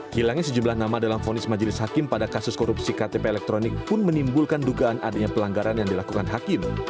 hilangnya sejumlah nama dalam fonis majelis hakim pada kasus korupsi ktp elektronik pun menimbulkan dugaan adanya pelanggaran yang dilakukan hakim